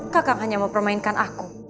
kakang hanya mempermainkan aku